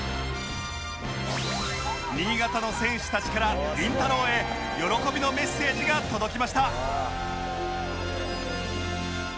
新潟の選手たちからりんたろー。へ喜びのメッセージが届きました